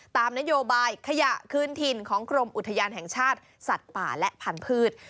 ตามนโยบายขยะคืนถิ่นของกรมอุทยานแห่งชาติสัตว์ป่าและพันธุ์